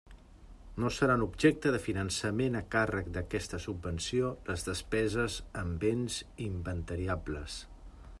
No seran objecte de finançament a càrrec d'aquesta subvenció les despeses en béns inventariables.